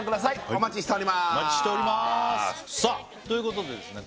お待ちしておりますさあということでですね